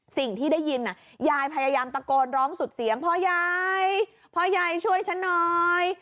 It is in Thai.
สิ่งที่ได้ยินยายพยายามตะโกนร้องสุดเสียงพ่อยายพ่อยายช่วยฉันหน่อย